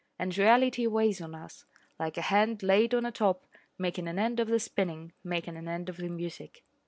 And reality weighs on us, like a hand laid on a top, making an end of the spinning, making an end of the music.